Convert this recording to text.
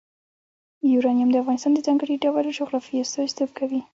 یورانیم د افغانستان د ځانګړي ډول جغرافیه استازیتوب کوي.